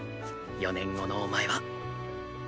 ４年後のお前は。